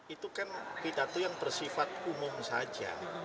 itu kan pidato yang bersifat umum saja